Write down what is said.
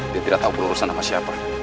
dia tidak tahu berurusan sama siapa